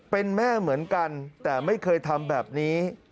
เป็นแม่เหมือนกันแต่ไม่เคยทำแบบนี้